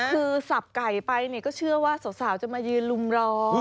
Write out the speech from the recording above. คือสับไก่ไปเนี่ยก็เชื่อว่าสาวจะมายืนลุมรอ